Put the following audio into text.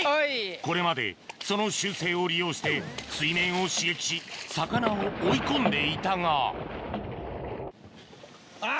これまでその習性を利用して水面を刺激し魚を追い込んでいたがあぁ！